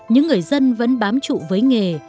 những người dân vẫn bám trụ với nghề